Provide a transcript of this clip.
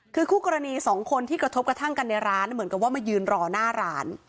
คือคู่กรณีสองคนที่กระทบกระทั่งกันในร้านเหมือนกับว่ามายืนรอหน้าร้าน